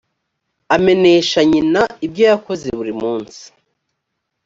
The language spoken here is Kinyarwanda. amenesha nyina ibyoyakoze buri munsi.